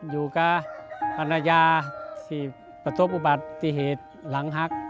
อยู่กับภรรยาที่ประสบอุบัติเหตุหลังหัก